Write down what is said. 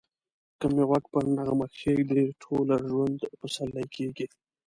که می غوږ پر نغمه کښېږدې ټوله ژوند پسرلی کېږی